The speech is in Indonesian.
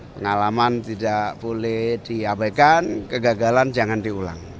pengalaman tidak boleh diabaikan kegagalan jangan diulang